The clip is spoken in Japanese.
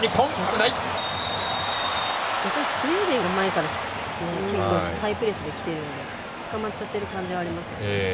スウェーデンが前からハイプレスで、きているのでつかまっちゃってる感じがありますね。